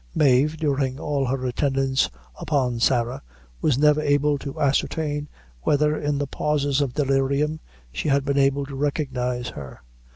Mave, during all her attendance upon Sarah, was never able to ascertain whether, in the pauses of delirium, she had been able to recognize her.